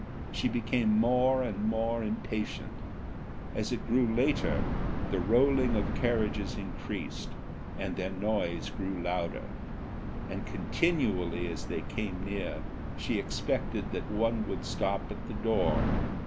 She became more and more impatient. As it grew later, the rolling of carriages increased, and their noise grew louder, and continually as they came near she expected that one would stop at the door.